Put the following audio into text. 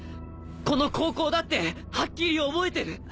この高校だってはっきり覚えてる！